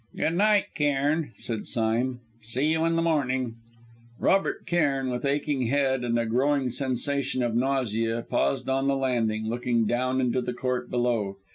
"Good night, Cairn," said Sime, "see you in the morning." Robert Cairn, with aching head and a growing sensation of nausea, paused on the landing, looking down into the court below.